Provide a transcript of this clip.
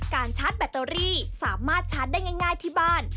ชาร์จแบตเตอรี่สามารถชาร์จได้ง่ายที่บ้าน